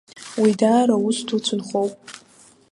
Уи даара ус ду цәынхоуп.